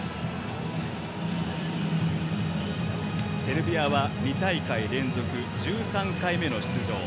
セルビアは２大会連続１３回目の出場。